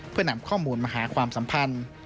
เพื่อนำข้อมูลมาหาความสัมพันธ์